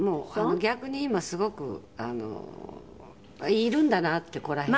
逆に今はすごくあのいるんだなってここら辺に。